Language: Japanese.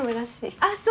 あっそう。